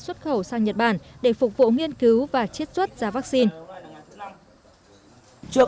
xuất khẩu sang nhật bản để phục vụ nghiên cứu và chiết xuất ra vaccine